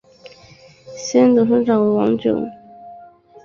现任董事长为王炯。